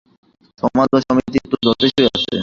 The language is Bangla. সমাজ বা সমিতি তো যথেষ্টই অছে।